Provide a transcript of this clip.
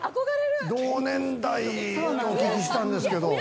同年代とお聞きしたんですけど。